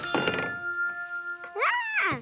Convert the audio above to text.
わあ！